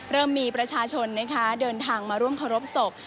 เริ่มมีประชาชนดันทางมาร่วมขอรับศก